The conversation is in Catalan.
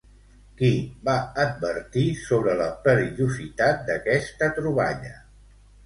Qui va advertir sobre la perillositat d'aquesta troballa?